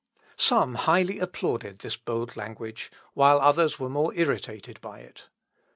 Some highly applauded this bold language, while others were more irritated by it.